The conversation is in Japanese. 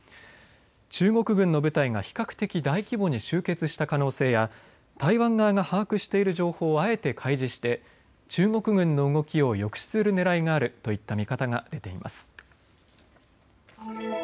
中国軍の部隊が比較的大規模に集結した可能性や台湾側が把握している情報をあえて開示して中国軍の動きを抑止するねらいがあるといった見方が出ています。